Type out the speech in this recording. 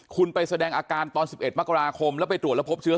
คุณไปแสดงอาการตอน๑๑มกราคมแล้วไปตรวจแล้วพบเชื้อ